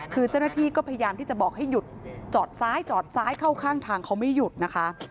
คือเจ้าหน้าที่ก็พยายามที่จะบอกให้หยุดจอดซ้ายจอดซ้ายเข้าข้างทางเขาไม่หยุดนะคะ